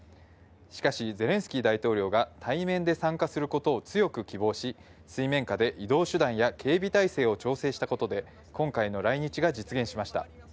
しかし、ゼレンスキー大統領が対面で参加することを強く希望し、水面下で移動手段や警備体制を調整したことで、今回の来日が実現しました。